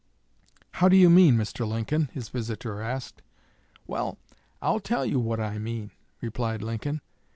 "How do you mean, Mr. Lincoln?" his visitor asked. "Well, I'll tell you what I mean," replied Lincoln.